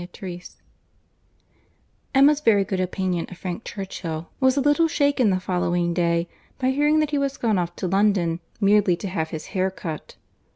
CHAPTER VII Emma's very good opinion of Frank Churchill was a little shaken the following day, by hearing that he was gone off to London, merely to have his hair cut.